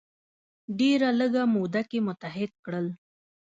ډیره لږه موده کې متحد کړل.